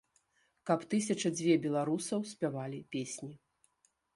Каб тысяча-дзве беларусаў спявалі песні.